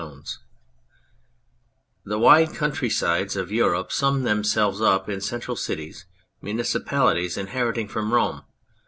264 THE wide countrysides of Europe sum themselves up in central cities : municipalities inheriting from Rome.